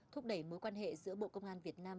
thúc đẩy mối quan hệ giữa bộ công an việt nam